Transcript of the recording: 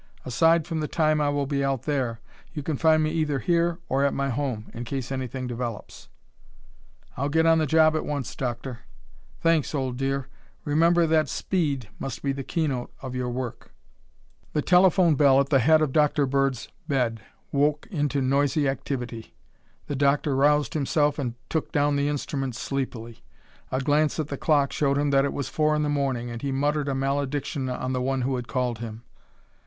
Aside from the time I will be out there, you can find me either here or at my home, in case anything develops." "I'll get on the job at once, Doctor." "Thanks, old dear. Remember that speed must be the keynote of your work." The telephone bell at the head of Dr. Bird's bed woke into noisy activity. The doctor roused himself and took down the instrument sleepily. A glance at the clock showed him that it was four in the morning and he muttered a malediction on the one who had called him.